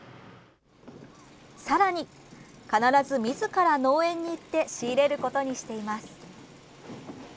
さらに、必ず自ら農園に行って仕入れることにしています。